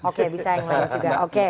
oke bisa yang lain juga